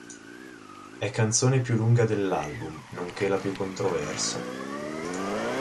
È canzone più lunga dell'album, nonché la più controversa.